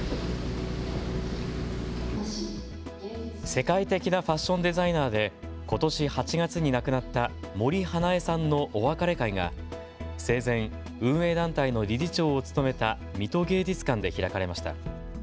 世界的なファッションデザイナーでことし８月に亡くなった森英恵さんのお別れ会が生前、運営団体の理事長を務めた水戸芸術館で開かれました。